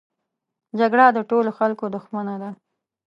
جګړه د ټولو خلکو دښمنه ده